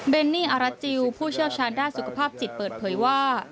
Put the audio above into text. เนนี่อาราจิลผู้เชี่ยวชาญด้านสุขภาพจิตเปิดเผยว่า